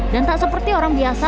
dan tak seperti orang biasa